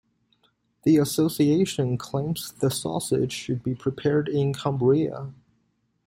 The association claims the sausage should be prepared in Cumbria.